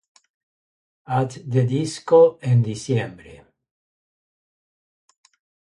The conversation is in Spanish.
At The Disco en diciembre.